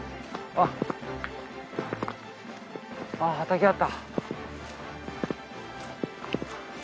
あぁ畑あった。